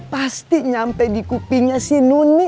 pasti nyampe di kupingnya si nuni